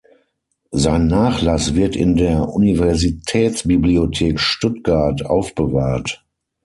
Sein Nachlass wird in der Universitätsbibliothek Stuttgart aufbewahrt.